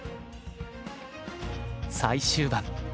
最終盤。